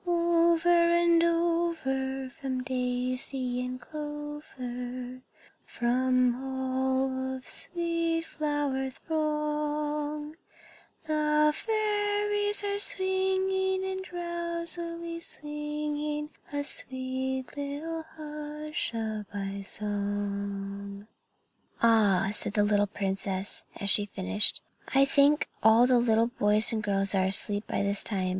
_ "_Over and over, from daisy and clover, From all of the sweet flower throng, The fairies are swinging and drowsily singing, A sweet little hush a by song._" "Ah!" said the little princess as she finished; "I think all the little boys and girls are asleep by this time.